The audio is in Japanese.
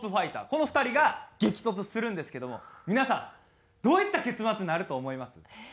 この２人が激突するんですけども皆さんどういった結末になると思います？